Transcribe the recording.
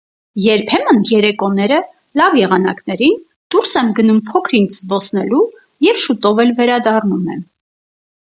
Երբեմն երեկոները, լավ եղանակներին, դուրս եմ գնում փոքր-ինչ զբոսնելու և շուտով էլ վերադառնում եմ: